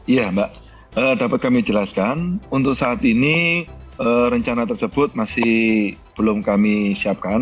iya mbak dapat kami jelaskan untuk saat ini rencana tersebut masih belum kami siapkan